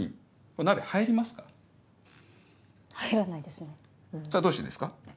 それはどうしてですか？